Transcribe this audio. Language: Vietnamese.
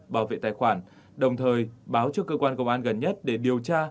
bảo vệ tài khoản đồng thời báo cho cơ quan công an gần nhất để điều tra